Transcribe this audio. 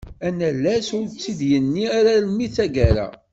Anallas ur tt-id-yenni ara almi d tagara.